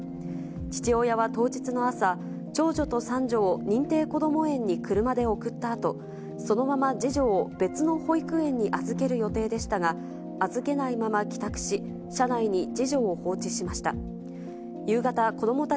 父親は当日の朝、長女と三女を認定こども園に車で送ったあと、そのまま次女を別の保育園に預ける予定でしたが、預けないまま帰宅し、車内に次女を放置しました。